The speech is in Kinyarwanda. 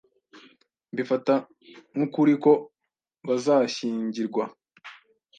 Mbifata nk'ukuri ko bazashyingirwa